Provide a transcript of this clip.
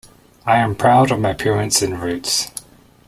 I am proud of my parents and roots.